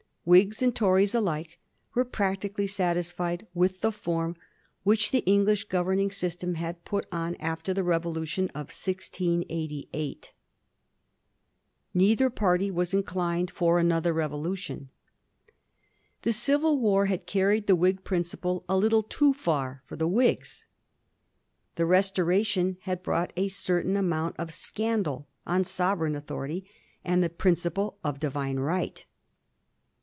Whigs and Tories alike were practically satisfied with the form which the EngUsh governing system had put on after the Revolution of 1688. Neither party was inclined for another revolution. The civil war had carried the Whig principle a little too fer for the Whigs. The Restoration had brought a certain amount of scandal on sovereign authority and the principle of Divine right.